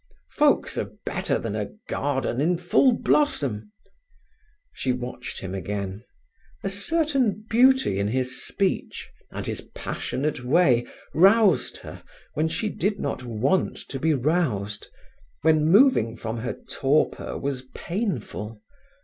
Folks are better than a garden in full blossom—" She watched him again. A certain beauty in his speech, and his passionate way, roused her when she did not want to be roused, when moving from her torpor was painful.